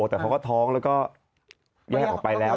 แต่เขาก็ท้องแล้วก็แยกออกไปแล้ว